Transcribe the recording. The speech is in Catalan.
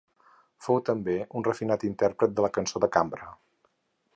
Fou també un refinat intèrpret de la cançó de cambra.